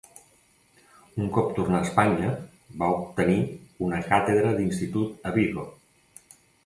Un cop tornà a Espanya, va obtenir una càtedra d'institut a Vigo.